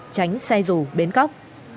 tránh xe rù bến cóc